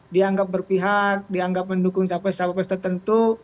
dianggap berpihak dianggap mendukung cawe cawe tertentu